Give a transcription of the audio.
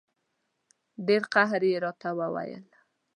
ډېر قهر یې راته وویل.